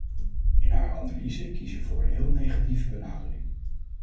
In haar analyse kiest ze voor een heel negatieve benadering.